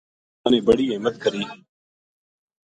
اِنھ لوکاں نے بڑی ہمت کری